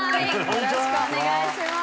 よろしくお願いします。